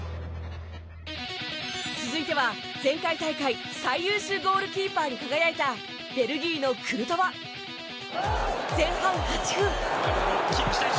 続いては、前回大会最優秀ゴールキーパーに輝いたベルギーのクルトワ。前半８分。